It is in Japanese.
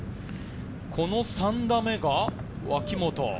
この３打目が脇元。